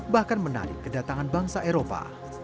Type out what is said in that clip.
bahkan menarik kedatangan bangsa eropa